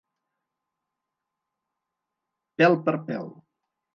Pèl per pèl.